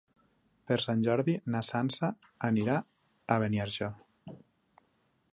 Per Sant Jordi na Sança anirà a Beniarjó.